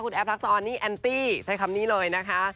แอฟทักษออนนี่แอนตี้ใช้คำนี้เลยนะคะ